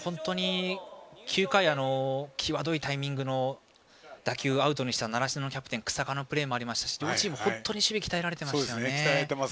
９回、際どいタイミングの打球をアウトにした習志野のキャプテン日下のプレーもありましたし両チーム本当に守備が鍛えられていましたね。